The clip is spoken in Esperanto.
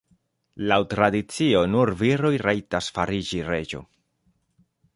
Laŭ tradicio nur viroj rajtas fariĝi reĝo.